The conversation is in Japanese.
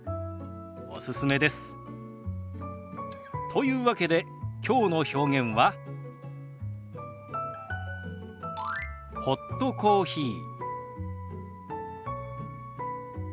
というわけできょうの表現は「ホットコーヒー」。